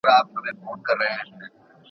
واښه د زهشوم له خوا راوړل کيږي!!